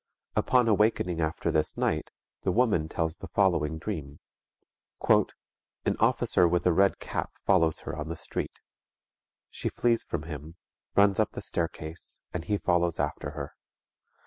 Upon awaking after this night, the woman tells the following dream: "_An officer with a red cap follows her on the street. She flees from him, runs up the staircase, and he follows after her.